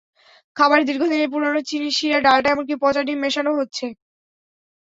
খাবারে দীর্ঘদিনের পুরোনো চিনির শিরা, ডালডা এমনকি পচা ডিম মেশানো হচ্ছে।